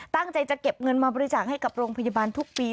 ตั้งใจจะเก็บเงินมาบริจาคให้กับโรงพยาบาลทุกปี